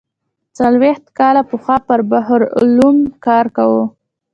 څلوېښت کاله پخوا پر بحر العلوم کار کاوه.